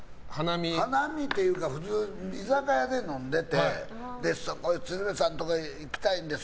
花見というか居酒屋で飲んでて鶴瓶さんとこ行きたいんです